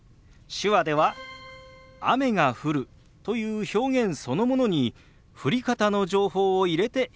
手話では「雨が降る」という表現そのものに降り方の情報を入れて表現するんです。